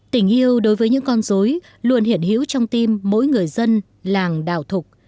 tình yêu đối với những con dối luôn hiển hữu trong tim mỗi người dân làng đào thục